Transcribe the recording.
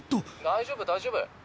大丈夫大丈夫。